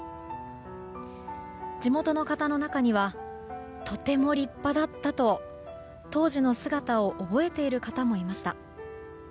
地元の方の中にはとても立派だったと当時の姿を覚えている方もいました。